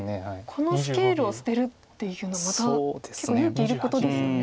このスケールを捨てるっていうのまた結構勇気いることですよね。